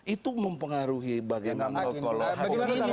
itu mempengaruhi bagian antara kolok kolok ini